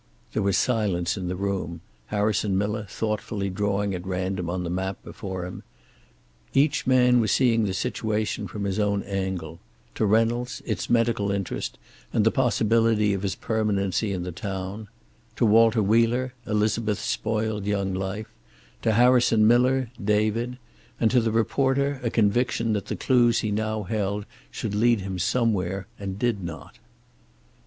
There was silence in the room, Harrison Miller thoughtfully drawing at random on the map before him. Each man was seeing the situation from his own angle; to Reynolds, its medical interest, and the possibility of his permanency in the town; to Walter Wheeler, Elizabeth's spoiled young life; to Harrison Miller, David; and to the reporter a conviction that the clues he now held should lead him somewhere, and did not.